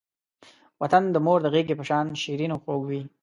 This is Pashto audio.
وطن د مور د غېږې په شان شیرین او خوږ وی.